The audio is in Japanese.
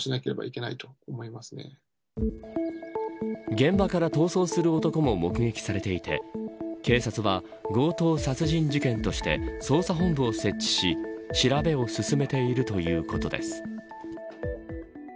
現場から逃走する男も目撃されていて警察は強盗殺人事件として捜査本部を設置し、調べを進めているということです。